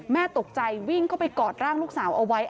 แม่ตกใจวิ่งเข้าไปกอดร่างลูกสาวเอาไว้